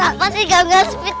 apa sih gam gam sweet